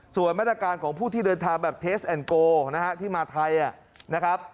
ส่วนแม่นาการของผู้ที่เดินทางแบบเทสต์แอนด์โก้ที่มาไทยนะครับ